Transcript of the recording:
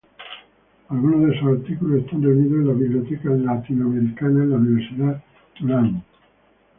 Algunos de sus artículos están reunidos en la Biblioteca Latinoamericana en la Universidad Tulane.